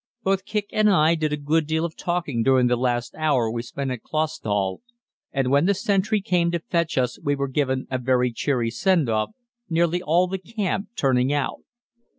Both Kicq and I did a good deal of talking during the last hour we spent at Clausthal, and when the sentry came to fetch us we were given a very cheery send off, nearly all the camp turning out.